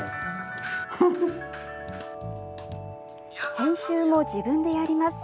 編集も自分でやります。